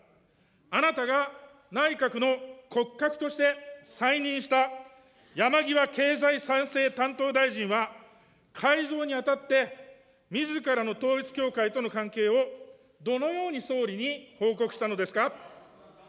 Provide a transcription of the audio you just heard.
あなたが内閣の骨格として再任した山際経済再生担当大臣は改造に当たって、みずからの統一教会との関係を、どのように総理に報告したのですか。